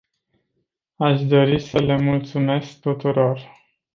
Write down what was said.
Aș dori să le mulțumesc tuturor.